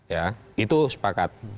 ya itu sepakat